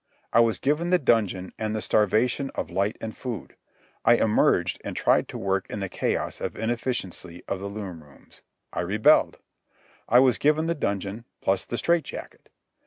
I was given the dungeon and the starvation of light and food. I emerged and tried to work in the chaos of inefficiency of the loom rooms. I rebelled. I was given the dungeon, plus the strait jacket.